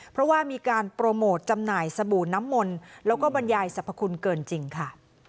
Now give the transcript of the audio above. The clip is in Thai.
เพราะว่ามีการโปรโมทจำหน่ายสบู่น้ำมนต์แล้วก็บรรยายสรรพคุณเกินจริงค่ะ